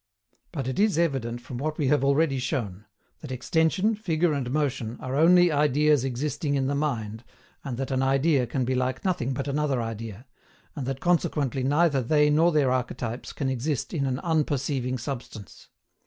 But it is evident from what we have already shown, that extension, figure, and motion are ONLY IDEAS EXISTING IN THE MIND, and that an idea can be like nothing but another idea, and that consequently neither they nor their archetypes can exist in an UNPERCEIVING substance.